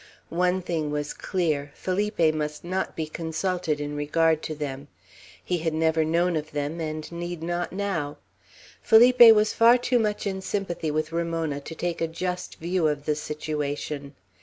One thing was clear, Felipe must not be consulted in regard to them. He had never known of them, and need not now. Felipe was far too much in sympathy with Ramona to take a just view of the situation.